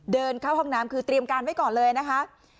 เดินเข้าห้องน้ำคือเตรียมการไว้ก่อนเลยนะคะ